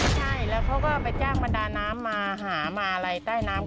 ใช่แล้วเขาก็ไปจ้างบรรดาน้ำมาหามาลัยใต้น้ำ